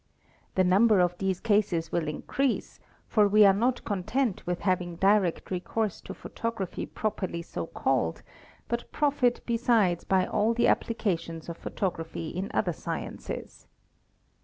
The number of these cases will increase, for we are not content with having direct re course to photography properly so called, but profit besides by all the applications of photography in other sciences.